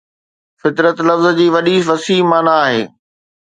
فطرت لفظ جي وڏي وسيع معنيٰ آهي